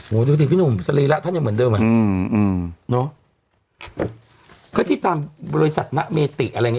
โหโถพี่หนุ่มสลีระถั้งยังเหมือนเดิมอืมอืมเนอะ